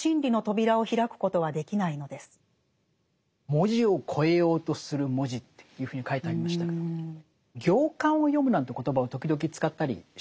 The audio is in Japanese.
「文字を越えようとする文字」っていうふうに書いてありましたけど「行間を読む」なんて言葉を時々使ったりしますね。